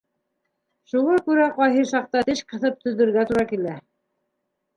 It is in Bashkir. Шуға күрә ҡайһы саҡта теш ҡыҫып түҙергә тура килә.